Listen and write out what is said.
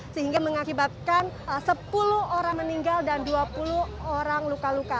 sehingga mengakibatkan sepuluh orang meninggal dan dua puluh orang luka luka